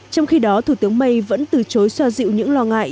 trong khi đó thủ tướng may vẫn từ chối xoa dịu những lo ngại